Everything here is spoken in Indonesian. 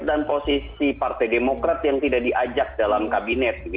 dan posisi partai demokrat yang tidak diajak dalam kabinet